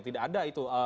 tidak ada itu